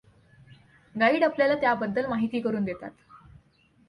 Guide आपल्याला त्याबद्दल माहिती करून देतात.